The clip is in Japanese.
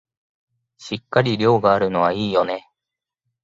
しっかり量があるのはいいよね